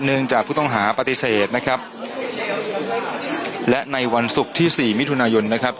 จากผู้ต้องหาปฏิเสธนะครับและในวันศุกร์ที่สี่มิถุนายนนะครับ